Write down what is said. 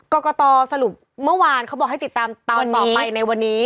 กรกตสรุปเมื่อวานเขาบอกให้ติดตามตามต่อไปในวันนี้